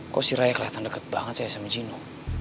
kok si raya keliatan deket banget saya sama gino